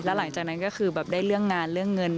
หลังจากนั้นก็คือแบบได้เรื่องงานเรื่องเงิน